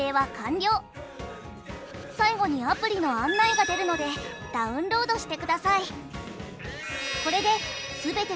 最後にアプリの案内が出るのでダウンロードしてください。